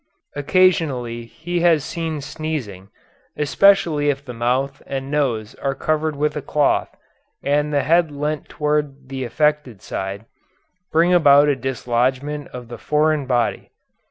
Occasionally he has seen sneezing, especially if the mouth and nose are covered with a cloth, and the head leant toward the affected side, bring about a dislodgment of the foreign body.